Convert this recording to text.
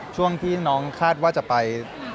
ช่วงที่น้องคาดว่าจะไป